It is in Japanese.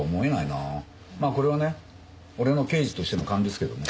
まあこれはね俺の刑事としての勘ですけどね。